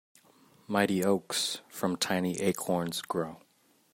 Mighty oaks from tiny acorns grow.